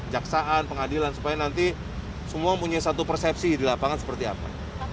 jaksaan pengadilan supaya nanti semua punya satu persepsi di lapangan seperti apa